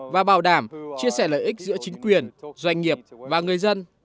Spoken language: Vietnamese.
và bảo đảm chia sẻ lợi ích giữa chính quyền doanh nghiệp và người dân